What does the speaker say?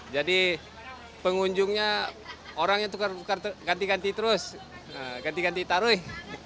jadi pengunjungnya orangnya ganti ganti terus ganti ganti taruh